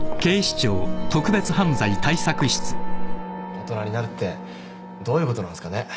大人になるってどういうことなんすかね？